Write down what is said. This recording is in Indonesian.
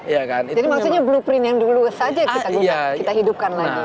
jadi maksudnya blueprint yang dulu saja kita hidupkan lagi